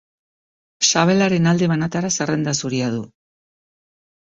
Sabelaren alde banatara zerrenda zuria du.